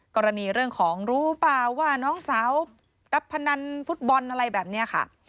กรณีเรื่องของรู้เปล่าว่าน้องสาวรับพนันฟุตบอลอะไรแบบนี้ค่ะ